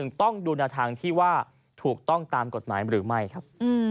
อีกครั้งหนึ่งต้องดูหน้าทางที่ว่าถูกต้องตามกฎหมายหรือไม่ครับ